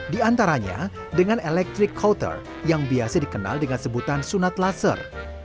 di antaranya dengan electric couter yang biasa dikenal dengan sebutan sunat laser